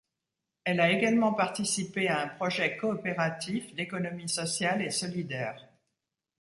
Elle a également participé à un projet coopératif d'économie sociale et solidaire.